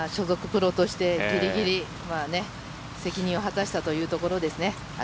所属プロとしてギリギリ責任を果たしたところですね。